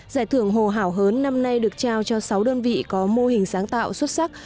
giải thưởng hồ hảo hớn năm nay được trao cho sáu đơn vị có mô hình sáng tạo xuất sắc